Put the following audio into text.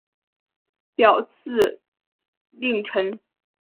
表字稷臣。